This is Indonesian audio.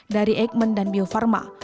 dari eijkman dan biofarma